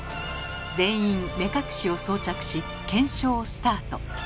全員目隠しを装着し検証スタート。